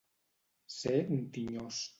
Ser un tinyós.